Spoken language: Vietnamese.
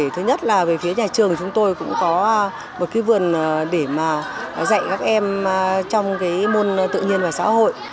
thứ nhất là về phía nhà trường chúng tôi cũng có một vườn để dạy các em trong môn tự nhiên và xã hội